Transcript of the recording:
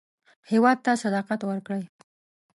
هېواد ته صداقت ورکړئ